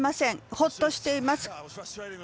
ほっとしています。